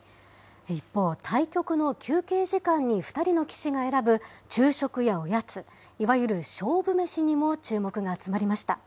一方、対局の休憩時間に２人の棋士が選ぶ昼食やおやつ、いわゆる勝負めしにも注目が集まりました。